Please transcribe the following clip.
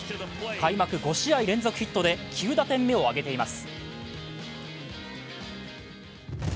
開幕５試合連続ヒットで９打点目をあげています。